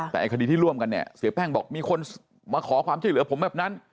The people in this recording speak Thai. แต่ไอ้คดีที่ร่วมกันเนี่ยเสียแป้งบอกมีคนมาขอความช่วยเหลือผมแบบนั้น